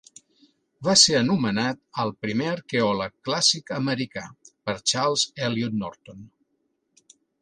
Va ser anomenat "el primer arqueòleg clàssic americà" per Charles Eliot Norton.